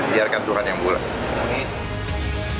biarkan tuhan yang bulat